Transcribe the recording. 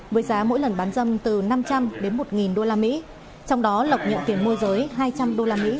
với giá mỗi lần bán dâm từ năm trăm linh đến một usd trong đó lộc nhận kiểm môi giới hai trăm linh usd một lần giới thiệu